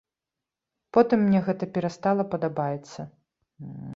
Потым мне гэта перастала падабаецца.